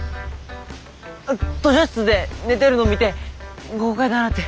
図書室で寝てるの見て豪快だなって。